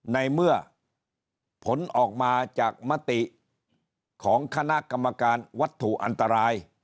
ในเมื่อผลออกมาจากมติของคณะกรรมการวัตถุอันตราย